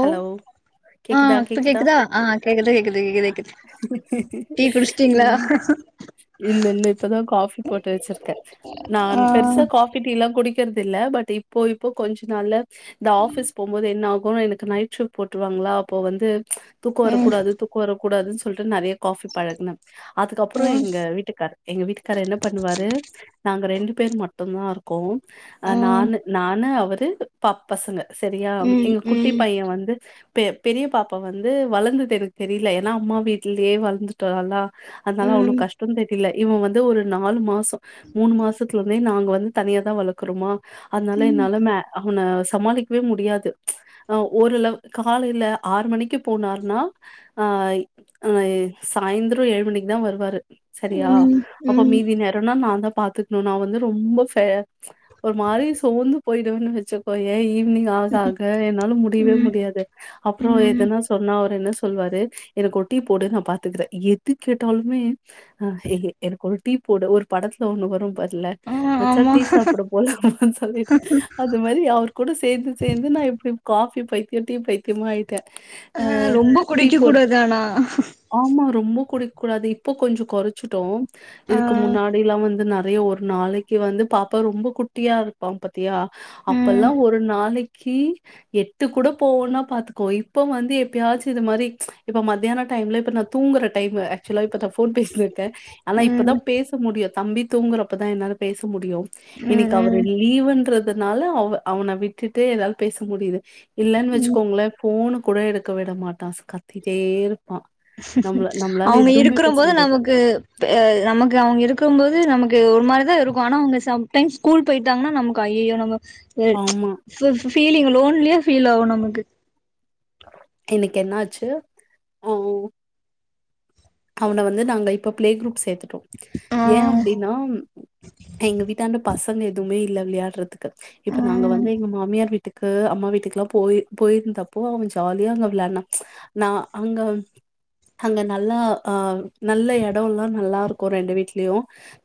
Hello ஆ கேக்குதா இப்ப கேக்குதா ஆ கேக்குது கேக்குது கேக்குது அ கேக்குது டீ குடிச்சிட்டீங்களா உம் இல்ல இல்ல இப்பதா காபி போட்டு வெச்சிருக்கே நான் பெருசா காபி டீல்லா குடிக் கர்தில்ல பட் இப்பொ இப்பொ கொஞ்சொ நாள்ல த ஆஃபிஸ் போகும்போது என்ன ஆ போன எனக் க நைட் ஷிஃப்ட் போட்ருவாங்களா அப்போ வந்து தூக்கம் வர கூடாது தூக்கம் வர கூடாதுன் சொல்ட்டு நெறய காபி பழகுன அதுக்கப்புறோ இங்க வீட்டுக்காரு எங்க வீட்டுக்காரு என்ன பண்ணுவாரு நாங்க ரெண்டு பேர் மட்டுதா இருக்கோ ஆ ம் நானு நானு அவரு ப பசங்க சரியா ம் எங்க குட் ட்டி பைய வந்து பெ பெரிய பாப்பா வந்து வளந்தது எனக்கு தெரியல ஏன்னா அம்மா வீட்லயே வளந்துட்டாளா அதனால அவளோ ம் கஷ்டோ தெரியில்லே இவன் வந்து ஒரு நாலு மாஸ் ம் மூணு மாசத்துல இருந்தே நாங்க வந் ம் தனியாதா வளக்குறேமா அதனால ம் என்னால மே அவனை சமாளிக்வே முடியாது ஆ ஒரு லவ் காலையில ஆறு மணிக்கு போனார்ன்னா ஆ ஆ ஏ சாய்ந்திரோ ஏழு மணிக்கு தா வருவாரு சரியா அப்ப ம் ம் மீதி நேரோனா நாந்த பாத்துக்ணு நா வந்து ரொம்ப ஃபேர் ஒரு மாரி சோர்ந்து போயிடுவேன்னு வச்சக்கய்யே ஈவினிங் ஆக ஆக என் நாலு முடியவே ம் முடியாது அப்றோ ம் எதனா சொன்னா அவர் என்னஸ் சொல்வாரு எனக்கு ஒரு டீ போடு நா பாத்துக்கிற எது கேட்டாலுமே அ எ எ எனக்கு ஒரு டீ போடு ஒரு படத்துல ஒண்ணு வரும் பாரு ல ஆ மச்சா ஆமா டீ சாப்ட போலமான் சொல்லிட்டு அது மாரி அவர் கூட சேந்து சேந்து நா இப்படி காபி பைத்தியோ டீ பைத்தியமா ஆய் த ஆ ரொம்ப டீ குடிக்க போடு கூடாது ஆனா ஆமா ரொம்ப குடிக் கூடாது இப்போ கொஞ்சோ கொறைச்சுட்டோ ஆ இதுக்கு முன்னாடி எல்லா வந்து ந நெறைய ஒரு நாளைக்கு வந்து பாப்ப ரொம்ப குட்டியா இருப்பாம் பத்தியா ம் அப்பெல்லா ஒரு நாளை கீ எட்டு கூட போவுன்னா பாத்துக்கோ இப்ப வந்து எப்பயாச்சு இது மாரி இப்ப மத்தியான டைம்ல இப்ப நா தூங்குற டைமு ஆக்சுலா இப்ப த போன் பேசிட்ருக்கே ஆனா இப்பதா ம் பேச முடியு தம்பி தூங்குறப்பதா என்னால பேச முடியு ம் இன்னைக் அவர் ம் லீவுன்றது அதனால அவ அவன விட்டுட்டு ஏதா பேச முடியுது இல்லனு ம் வச்சுக்கோங்ளே போனு கூட எடுக்க விட மாட்டா நம்மளால அவங்க எதுவுமே இருக்கிற பேச போது முடியாது நமக்கு நமக்கு அவங்க இருக்குபோது நமக்கு இது ஒருமாரிதா இருக்கு ஆனா அவங்க சம் டைம்ஸ் ஸ்கூல் போயிட்டாங்கனா நமக்கு ஐயயோ நம்ம ம் ஆமா ஃபீ ஃபீ ஃபீலிங் லோன் லியா ஃபீல் ஆகு நமக்கு இன்னக்கு என்னாச்சு அஹ் அவன வந்து நாங்க இப்ப பிளே குரூப் சேர்த்து ட்டோ ஆ ஏ அப்டின்னா எங்க வீட்டாந்த பசங் க எதுமே இல்ல விளயாடுறதுக்கு இப்ப நாங்க ம் வந்து எங்க மாமியார் வீட் வீட்டுக்கு அம்மா வீட்டுக்லா போய் போயிருந்தப்போ அவ ஜாலியா அங்க விளையாட்னா நா அங்க அங்க நல்லா ஆ நல்ல எட எல்லா நல்லா இருக்கு ரெண்டு வீட்லயு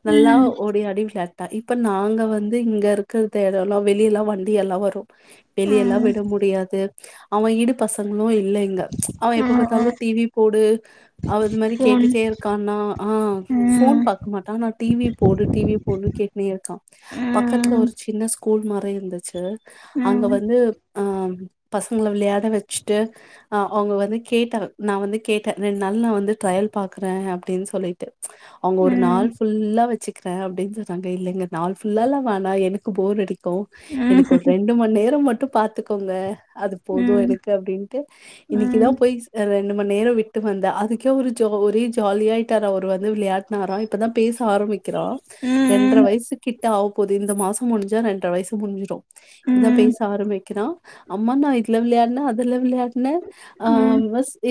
நல்லா ம் ஓடியாடி விளா டா இப்ப நாங்க வந்து இங்க இருக்றது எடல்லா வெளிய எல்லா வண்டி எல்லா வரு வெளிய எல்லா விட முடியாது அவ ஈடு பசங்களு இல் இல்லங்க அவன் எப்ப பாத்தாலு டிவி போடு அது மாரி ஃபோன் கேட்டுட்டே இருக்கனா ஆ போன் பாக்க மாட்டா ஆனா டிவி போடு டிவி போடு கேட்நே இருக்கா பக்கத்துல ஒரு சின்ன ஸ்கூ ஸ்கூல் மாரி இருந்துச்சு அங்க வந்து ஆ பசங்கள விளயாட வச்சுட்டு அவங்க வந்து கேட்டாங்க நா வந்து கேட்டே ரெண்டு நாள் நா வந்து ட்ரையல் பாக்குறே அப்டின்னு சொல்லிட்டு அவங்க ஒரு நாள் ஃபுல்லா வச்சு இருக்கே அப்டின்னு [unintelligible] இல்லங்க நாள் ஃபுல்லாலா வேனா எனக்கு போர் அடிக் க்கு எனக்கு ஒரு ரெண்டு மணி நேர மட்டு ட்டு பாத்துக்கோங்க அது போதும் எனக்கு அப்டின்ட்டு இன்னக்குதா போய் ரெண்டு மணி நேர விட்டு வந்த அதுக்கே ஒரு ஒரே ஜாலியாயிட்டாரு அவர் வந்து விளையாட்னார இப்பதா பேச ஆரம்பி க்கிறா ரெண்ற வயசுக் கிட்ட ஆவு போது இந்த மாசம் முடிஞ்சா ரெண்டரை வயசு முடிஞ்சிடும் இப்பதான் பேச ஆரம்பிக்கிறான் அம்மா நான் இதுல விளையாட்னேன் அதுல விளையாட்னேன் ஆ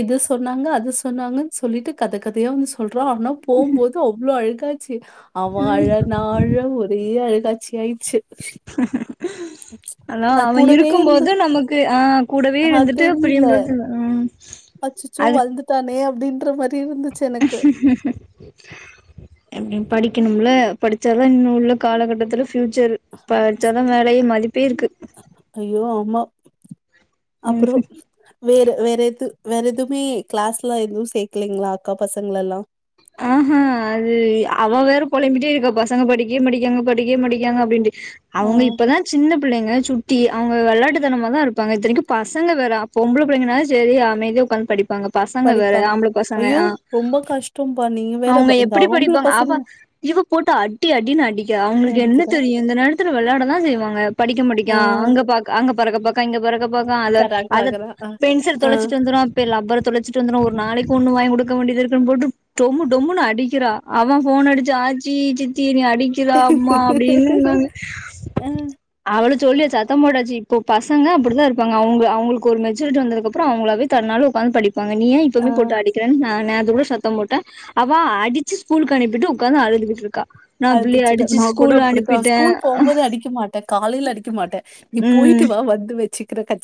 இது சொன்னாங்க அது சொன்னாங்க சொல்லிட்டு கத கதையா வந்து சொல்ரான் ஆனா போகும்போது அவ்வளவு அழகாச்சு அவன் அழ நான் அழ ஒரு பெரிய அழுகாட்சி ஆயிடுச்சு ஆனா அது அவன் கூடவே இருக்கும் இருந்து போது நமக்கு ஹ கூடவே ஆ இருந்துட்டு தெரியல. புரியும்போது ஹ அதுக் அப்படின்ற பச்ச எப்படியும் படிக்கணும்ல படிச்சாதான் இன்னும் உள்ள காலகட்டத்தில ஃபியூச்சர் படிச்சாதான் வேலையே மதிப்பே இருக்கு ஐயோ! ஆமா. ம் அப்புறம் வேற வேற எது வேற எதுவுமே கிளாஸ்ல எதுவும் சேர்க்கலீங்களா அக்கா பசங்கள எல்லாம் ஹ் ஹான் அது அவ வேற புழம்பிட்டே இருக்கா பசங்க படிக்கே மாடிக்காங்க படிக்க மாடிக்காங்க அப்படின்ட்டு ஆ அவங்க இப்பதான் சின்ன பிள்ளைங்க சு ட்டி அவங்க விளாட்டு தனம தான் இருப்பாங்க இத்தனைக்கும் பசங்க வேற அப்ப பொம்பளை பிள்ளைங்கனா சரி அமைதிய உட்காந்து படி ப்பாங்க பசங்க வேற படிப்பாங்க. ஆம்பளை பசங்க ஐயோ! ஆஹ் ரொம்ப கஷ்டம்ப்பா. நீங்க வேற ப அவங்க இந்த எப்படி ஆம்பள படிப்பாங்க பசங்க அவா இவ போட்டு அடி அடின்னு அடிக்க அவங்களுக்கு என்ன படிக்கிறா. தெரியும் இந்த நேரத்துல விளையாட தான் செய்வாங்க படிக்க படிக்க ஆ. அங்க பா அ பறக்க பாக்கா இங்க பறக் க பாக்கா அத பெறாக் அதை பாக்குறா. ஆ. பென்சில் ஆ. தொலைச்சிட்டு வந்துரும் ரப்பர தொச்சிட்டு வந்துரும் ஒரு நாளைக்கு ஒண்ணு வாங்கி கொடு இருக்க வேண்டியது இருக்கு போட்டு டொமு டொமு அடிக்கிறா அவன் போன் அடிச்சு ஆச்சி சித்தி நீ அடி அடிக்கிறா அம்மா அப்படின்னுாங்க அ அவள சொல்லிய சத்தம் போட்டாச்சி இப்போ பசங்க அப்படிதான் இருப்பாங்க அவங்க அவங்களுக்கு ஒரு மெச்சூரிட்டி வந்ததுக்கப்புறம் அவங்களாவ தன்னால உட்காந்து படி ப்பங்க நீ ஆ இப்பமே போட்டு அடிக்கிறன் நான் நே த்து கூட சத்தம் போட்ட அவ அடிச்சு ஸ்கூல் அனுப்பிட்டு உட்கார்ந்து அழுதுகிட்டு இருக்கா நான் பிள்ளைய அடிச்சிட்டேன் அடிச்சு நான் கூட ஸ்கூல் அப்படித்தான் அனுப்பிட்டேன் ஸ்கூல் போகும்போது அடிக்க மாட்டேன் காலைல அடிக்க மாட்டேன் நீ ம் போயிட்டு வா வந்து வச்சுக்கிற கட்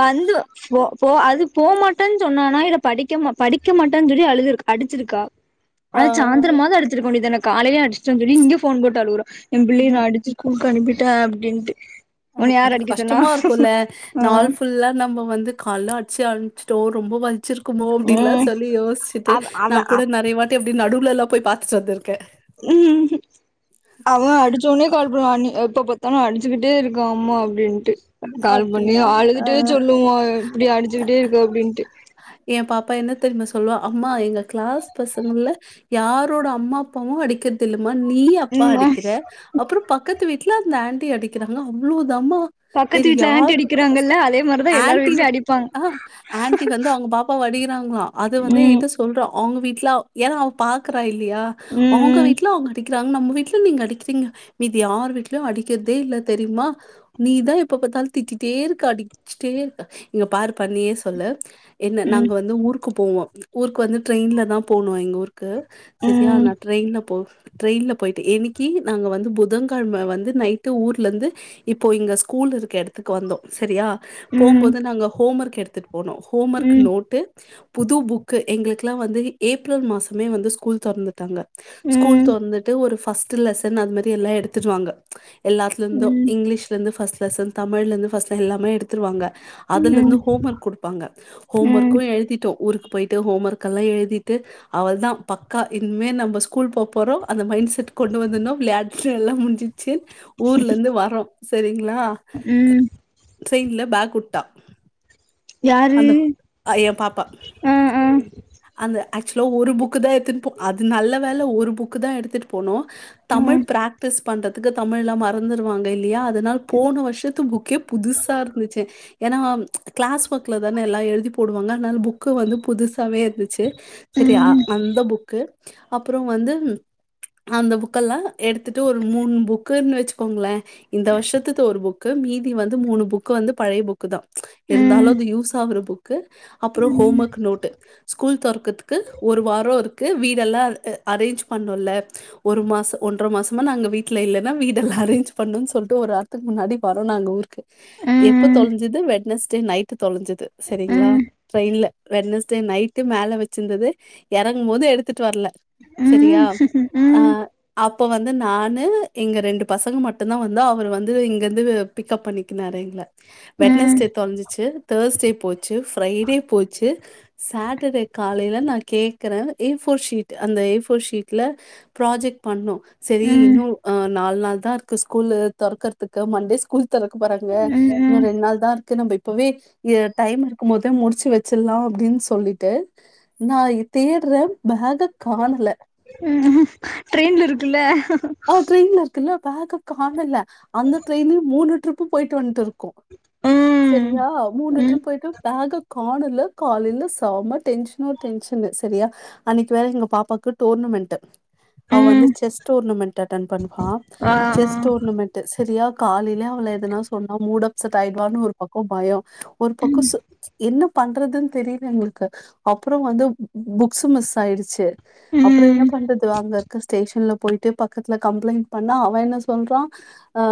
வந்து போ போ அது போ மாட்டேன்னு சொன்னனா இல்ல படிக்க படிக்க மாட்டேன்னு சொல்லி அழுது அடிச்சிருக்கா ஆ அத சாயந்திரமாவது அடிச்சிருக்க வேண்டியதான காலயே அடிச்சுட்டாம் சொல்லி இங்க ஃபோன் போட்டு அழுவுறா எம்பிள்ளேய எங்க நா அடிச்சு ஸ்கூ லுக்கு அனுப்பிட்ட அப்டின்ட்டு உன்ன ஆஹ யார் அது அடிக்க சொன்னா கஷ்டமா இருக்கும்ல. நாள் ம் ஃபுல்லா நம்ம வந்து கால்லே அடிச்சு அழு ச்சுடோம் ரொம்ப வலிக்கு வச்சிருக்குமோ அப்டின்ல ம் சொல்லி யோசிச்சுட்டு அவ அவ நான் அ கூட நெறைய வாட் எப்படி நடுவுலல்லா போய் பாத்துட்டு வந்துருக்கு ம் அவா அடுச்ச வந்திருக்கேன். ஒன்ன. கால் பன்னுவா [unintelligible] அதுக்தானேதென அடிச்சுக்கிட்டே இருக்கு அம்மா அப்டின்ட்டு கால் பண்ணி அப்டியா ஆ. அழுதுட்டே சொல்லுவோ இப்புடி அடிச்சுக்கிட்டே இருக்கு அப்டின்ட்டு என் பாப்பா என்ன தெரியும சொல்லுவா அம்மா எங்க கிளாஸ் பசங்கள்ல யாரோட அம்மா அப்பாவு அடிக்கரது இல்லே மா நீ அப்பா ம் அடிக்கிற அப்புற பக்கத்து வீட்ல அந்த ஆண்டி அடிக்கிறாங்க அவ்ளோ பக்கத்து வீட்ல ஆண்டி அடிக்கிறாங்கல்ல அதே மாரித எல்லாரு ஆன்டி வீட்டுலயு அடிப்பாங்க ஆ ஆன்டி வந்து அவங்க பாப்பா அடிகிறாங்களா அது வந்து ம் எங்கிட்ட சொல்றா அவங்க வீட்ல ஏனா அவ பாக்குறா இல்ல ல்லயா அவங்க ம் வீட்ல அவங்க அடிக் க்கிறாங்க நம்ம வீட்ல நீங்க அடிக்கிறீங்க மீதீ யார் வீட்லயு அடிக்கிறதே இல்லே தெரியுமா நீதா எப்ப பாத்தாலு திட்டிட்டே இருக்கே அடிச்சிட்டே இருக்கே இங்க பாருப்பா நீயே சொல்லு என்ன ம் நாங்க வந்து ஊருக் க்கு போவோ ஊருக்கு வந்து ட்ரெயின்ல தா போனும் எங்க ஊருக் க்கு சேரியா ம் நான் ட்ரெயின்ல போ ட்ரெயின்ல போயிட்டு இன்னைக்கி நாங்க வந்து புதன் கிழமே வந்து நைட்டு ஊர்லருந்து இப்போ இங்க ஸ்கூல் இருக்க எடத்துக்கு வந்தோ சரியா ம் போம்போது நாங்க ஹோம்மர்க் க எடுத்துட்டு போனு ஹோம்மர்க் ம் நோட்டு புது புக்கு எங்களுக்கெல்லா வந்து ஏப்ரல் மாசமே வந்து ஸ்கூல் தொறந்துட்டாங்க ஸ்கூல் ம் தொறந்துட்டு ஒரு ஃபஸ்ட் லெசன் அது மாரி எல்லா எடுத்துடுவாங்க எல்லாத்துலிருந்து ம் இங்கிலீஷ்லருந்து ஃபஸ்ட் லெஸன் தமிழ்ருந்து ஃபஸ்ட் எல்லாமே எடுத்துருவாங்க அதுலருந்து ம் ஹோம் ஒர்க் குடுப்பாங்க ஹோம் ம் ஒர்க்கு எழுதிட்டோ ஊருக்கு போயிட்டு ஹோம் ஒர்கல்லா எழுதிட்டு அவளதா பக்கா இனிமே நம்ம ஸ்கூல் போபோறோ அந்த மைன் செட் கொண்டு [unintelligible] சில் ஊர்ல இருந்து வரோ சேரிங் நா ம் ட்ரெயின்ல பேக் உட்டா யாரு அந்த அ எ பாப்பா ஆ ஆ அந்த ஆக்சுலா ஒரு புக்கு தா எடுத்துனு போ அது நல்ல வேல ஒரு புக்கு தா எடுத்துட்டு போனோ ஆ தமிழ் ம் ப்ராக்டிஸ் பண்றதுக்கு தமிழ்ல்லா மறந்துருவாங்க இல்லையா அதனால் போன வருஷத்து புக்கே புதுசா இருந்துச்சு ஏன்னா ம் க்ளாஸ் பக் க்லதான எல்லா எழுதி போடுவாங்க அதனால புக்கு வந்து புதுசாவே இருந்துச் சேர் சேரி அ அந்த புக்கு அப்புறோ வந்து அந்த புக்கல்லா எடுத்துட்டு ஒரு மூணு புக்குனு வச்சுக்கோங்களே இந்த வருஷத்துது ஒரு புக்கு மீதி வந்து மூணு புக்கு வந்து பழைய புக் தா இருந்தாலு ம் அது யூ ஒரு புக் க்கு அப்புறோ ஹோம் ஒர்க் நோட்டு ஸ்கூல் தொறக்கதுக்கு ஒரு வாரோ இருக் க்கு வீடெல்லா அ அரேஞ்ச் பன்னோல ஒரு மாசோ ஒன்ற மாசமா நாங்க வீட்டுல இல்லேனா வீடெல்லா அரேஞ்ச் பண்ணுன் சொல்லிட்டு ஒரு வாரத்துக்கு முன்னாடி வரோ நாங்க ஊருக்கு எப்ப ம் தொலஞ்சுது வெட்னெஸ்டே நைட் தொலஞ்சு து சேரிங்ளா ம் ட்ரெயின்ல வெட்னெஸ்டே நைட் து மேல வச்சிருந்தது இறங்கு போது எடுத்துட்டு வரல ம் சேரியா ம் அஹ் அப்ப வந்து நானு னு எங்க ரெண்டு பசங்க மட்டு தா வந்து அவர் வந்து இங்கிருந்து பிக்கப் பண்ணிக்கினாரு எங்கள வெட்னெஸ்டே தொலஞ்சுச்சு தேஸ்டே போச்சு ஃப்ரைடே போச்சு சேட்டர்டே காலைல நா கேக்குறே ஏ ஃபோர் ஷீட் அந்த ஏ ஃபோர் ஷீட்ல ப்ராஜெக்ட் பண்ணோ சேரி ம் இன்னு அஹ் நாலு நாள் தா இருக்கு ஸ்கூலு தொறக்குறதுக்கு மண்டே ஸ்கூலுக் தொறக்க போறாங்க ம் ம் இன்னு ரெண்டு நாள் தா இருக் க்கு நம்ப இப்பவே ஏ டைம் இருக்கு போதே முடிச்சு வச்சிர்லா அப்டின் சொல்லிட்டு நா அத தேட்றே பேக்க காணல நா ட்ரெயின்ல இருக்குல்ல ஆஹ் ட்ரெயின்ல இருக்குல்ல பேக்க காணல அந்த ட்ரெயினு மூணு ட்ரிப் பு போயிட்டு வந்ட்டு இருக் கு ம் செரியா மூணு எடத்துல ம் போய்ட்டு பேக்க காணல காலைல செம டென்ஷனோ டென்ஷனு செரியா அன்னைக்கு வேற எங்க பாப்பாக்கு டோர்னமெண்ட்டு அவ வந்து ம் செஸ் டோர்னமெண்ட் அட்டென் பண்ணுவான் ஆ செஸ் டோர்னமெண்ட் சரியா காலையிலயே அவள எதனா சொன்னா மூட அப்சட் ஆயிடுவான்னு ஒரு பக்கம் பயம் ஒரு பக்கம் என்ன பண்றதுன்னு தெரியல எங்களுக்கு அப்புறம் வந்து புக்ஸ் மிஸ் ஆயிடுச்சு அப்புறம் ம் என்ன பண்றது அங்க இருக்க ஸ்டேஷன்ல போயீட்டு பக்க பக்கத்துல கம்ளை்ன்ட் பண்ணா அவன் என்ன சொல்றான் ஆ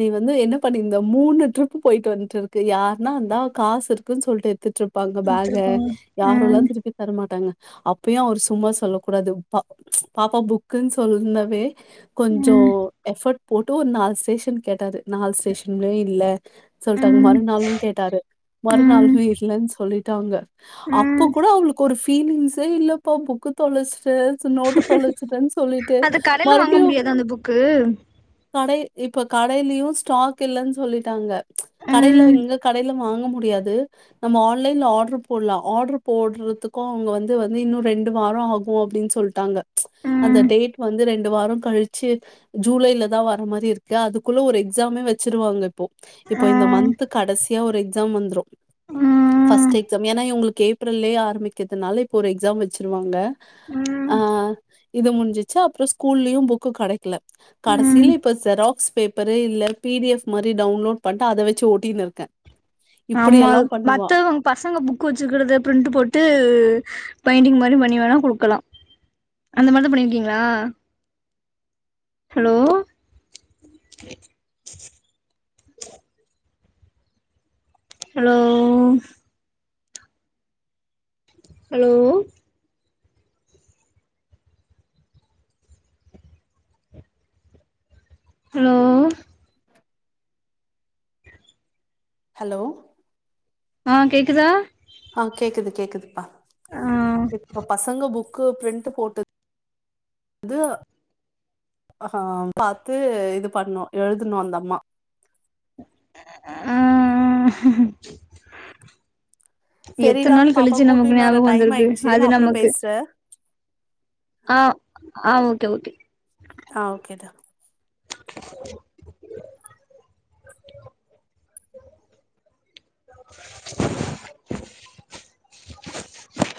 நீ வந்து என்ன பண்ணி இந்த மூணு டரிப் போயிட்டு வந்துட்டு இருக்கு யருன்னாந்தா காசுக்குன்னு சொல்லிட்டு எடுத்துப் பப்பாங்க பேகை எடுத்துருக்கோங்க ம் யாரும்ல்லாம் திருப்பி தரமாட்டாங்க அப்பயும் அவர் சும்மா சொல்ல கூடாது பா பாப்பா புக்குன்னு சொல்லந்தாவ ம் கொஞ்சம் எஃபர்ட் போட்டு ஒரு நாலு செஷன் கேட்டாரு நாலு செஷன்மே இல் சொல்லிட்டாங்க ம் மறுநாளும் கேட்டாரு ம் மறுநாளும் இல்லன்னு சொல்லிட்டாங்க அப்போ ம் கூட அவளுக்கு ஒரு பீலிங்ஸே இல்லப்பா புக்கு தொ நோட்ட தொலைச்சுிட்டேன்னு சொல்லிட்டு கடையல வாங்க மறுபடியும் முடியாதா அந்த புக்கு கடை இப்ப கடையிலயும் ஸ்டாக் இல்லன்னு சொல்லிட்டாங்க கடைல ம் இங்க கடைல வாங்க முடியாது நம்ம ஆன்லைல ஆர்ட் போடலாம் ஆர்ட் போடுறது கும் அவங்க வந்து வந்து இன்னும் ரெண்டு வாரம் ஆகும் அப்படனு சொல்லிட்டாங்க அந்த ம் டேட் வந்து ரெண்டு ரண்டு வாரம் கழிச்சு ஜூலைல தான் வர மாரி இருக்கு அதுக்குள்ள ஒரு எக்ஸாமே வச்சிருவாங்க இப்போ இப்போ இந்த ம் மந்த் கடைசியா எக்ஸாம் வந்து ம் எ ஏன்னா இங்களுக்கு ஏப்ர ஆரம்பிக்கிறதுனால இப்ப எஸாம் வச்சிருவாங்க ஆ ம் இது முடிஞ்சச்சு அப்புறம் ஸ்கூல்லயும் புக்கு கிடைக்கல ம் கடைசியில இப்ப செராக்ஸ் பேப்பரு இல்ல பிடிஎஃப் மாரி டவுன்லோட் பண்ணிட்டு அதை வச்சு ஓட்டினு இருக்கேன் ஆமா இப்படியெல்லா பண்ணுவா மத்தவங்க பசங்க புக் வச்சுக்கது பிரிண்ட் போட்டு பெயிண்டிங் மாரி பண்ணி வேணா கொடுக்கலாம் அந்த மாரிதான் பண்ணிருக்கீங்களா hello hello hello hello hello ஆ கேக்குதா ஆ கேக்குது கேக்குதுப்பா ஆ இ பசங்க புக் கு பிரண்ட் போட்டு வந்து இது பண்ணும் எழுதனும் அந்த அம்மா ஆ ஆ எத்தன சரிடா நாள் பாப்பா கழிச்சு கூிட்டு நமக்கு இன்னொரு ஞாபகம் டைம் வந்திருக்கு ஆயிடுச்சு அது நான் அப்புறம் நமக்கு பேசுறேன் ஆ ஆ ஓகே ஓகே ஆ ஓகேதா [inaudible] [inaudible]